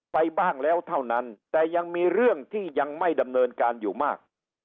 ไปบ้างแล้วเท่านั้นแต่ยังมีเรื่องที่ยังไม่ดำเนินการอยู่มาก